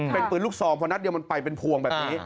เป็นปืนลูกซองเพราะนัดเดียวมันไปเป็นพวงแบบนี้